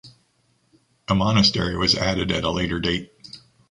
A monastery was added at a later date.